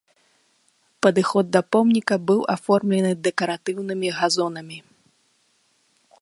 Падыход да помніка быў аформлены дэкаратыўнымі газонамі.